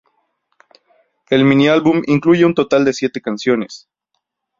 El miniálbum incluye un total de siete canciones.